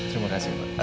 terima kasih bu